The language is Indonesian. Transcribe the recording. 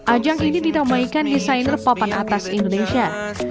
ajang ini ditamaikan desainer papan atas indonesia